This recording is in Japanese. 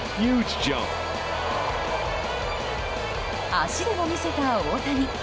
足でも見せた大谷。